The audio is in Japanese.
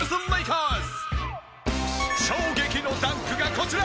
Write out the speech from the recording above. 衝撃のダンクがこちら！